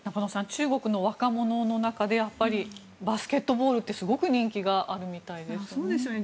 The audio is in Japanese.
中国の若者の中でバスケットボールってすごく人気があるみたいですね。